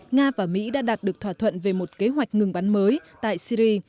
nga và mỹ đã đạt được thỏa thuận về một kế hoạch ngừng bắn mới tại syri